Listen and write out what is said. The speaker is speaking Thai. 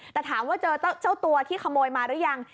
แต่ถามว่าเจอเจ้าตัวที่ขโมยมาหรือยัง